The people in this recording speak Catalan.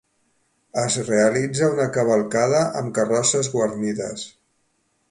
Es realitza una cavalcada amb carrosses guarnides.